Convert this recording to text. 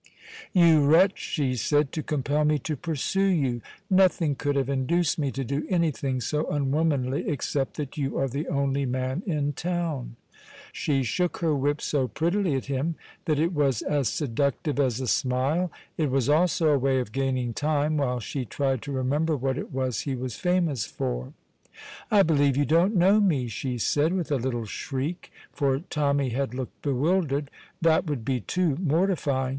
"You wretch," she said, "to compel me to pursue you! Nothing could have induced me to do anything so unwomanly except that you are the only man in town." She shook her whip so prettily at him that it was as seductive as a smile. It was also a way of gaining time while she tried to remember what it was he was famous for. "I believe you don't know me!" she said, with a little shriek, for Tommy had looked bewildered. "That would be too mortifying.